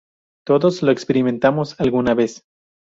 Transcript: Todos lo experimentamos alguna vez.